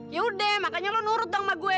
yaudah makanya lo nurut dong sama gue